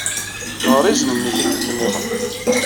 Ɣeṛ izen-nni tikkelt nniḍen.